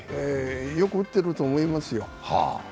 よく打ってると思いますよ。